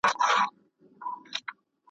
یو غرڅه وو په ځان غټ په قامت ښکلی ,